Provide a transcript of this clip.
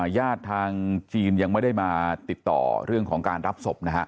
ญาติทางจีนยังไม่ได้มาติดต่อเรื่องของการรับศพนะฮะ